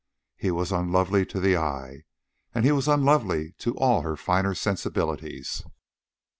He was unlovely to the eye, and he was unlovely to all her finer sensibilities.